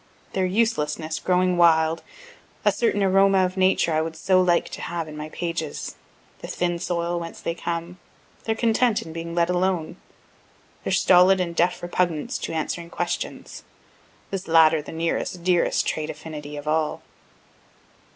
their uselessness growing wild a certain aroma of Nature I would so like to have in my pages the thin soil whence they come their content in being let alone their stolid and deaf repugnance to answering questions, (this latter the nearest, dearest trait affinity of all.)